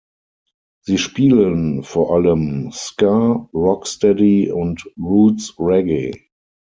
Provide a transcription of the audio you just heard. Sie spielen vor allem Ska, Rocksteady und Roots Reggae.